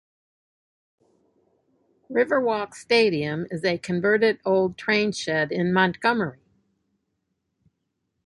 Riverwalk Stadium is a converted old train shed in Montgomery.